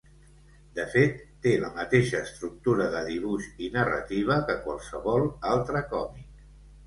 De fet, té la mateixa estructura de dibuix i narrativa que qualsevol altre còmic.